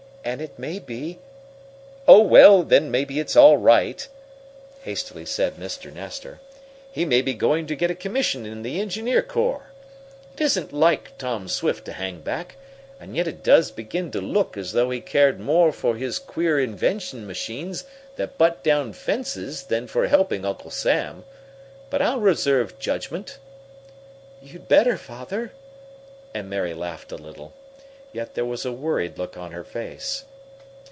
And it may be " "Oh, well, then maybe it's all right," hastily said Mr. Nestor. "He may be going to get a commission in the engineer corps. It isn't like Tom Swift to hang back, and yet it does begin to look as though he cared more for his queer inventions machines that butt down fences than for helping Uncle Sam. But I'll reserve judgment." "You'd better, Father!" and Mary laughed a little. Yet there was a worried look on her face.